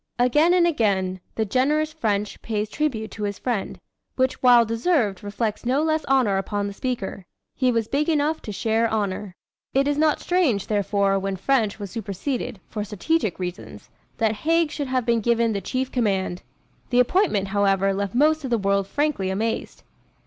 Again and again, the generous French pays tribute to his friend, which while deserved reflects no less honor upon the speaker. He was big enough to share honor. It is not strange, therefore, when French was superseded, for strategic reasons, that Haig should have been given the chief command. The appointment, however, left most of the world frankly amazed.